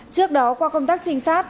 trước đó qua công tác trinh sát